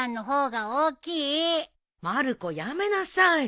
まる子やめなさい。